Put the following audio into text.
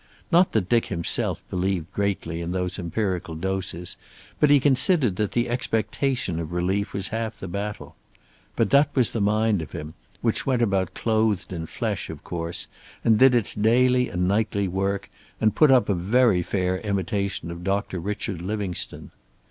Not that Dick himself believed greatly in those empirical doses, but he considered that the expectation of relief was half the battle. But that was the mind of him, which went about clothed in flesh, of course, and did its daily and nightly work, and put up a very fair imitation of Doctor Richard Livingstone.